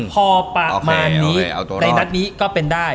พอประมาณนี้ในนัดนี้ก็เป็นได้